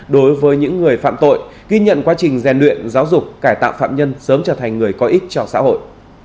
đối với những người phạm tội ghi nhận quá trình gian luyện giáo dục cải tạo phạm nhân sớm trở thành người có ích cho xã hội